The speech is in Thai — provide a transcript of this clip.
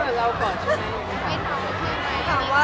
อย่างงี้ถามว่า